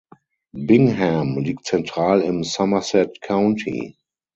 Bingham liegt zentral im Somerset County.